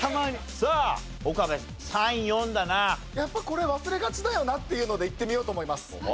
さあ岡部３４だな。やっぱこれ忘れがちだよなっていうのでいってみようと思います。